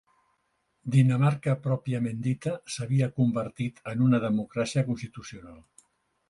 Dinamarca pròpiament dita s'havia convertit en una democràcia constitucional.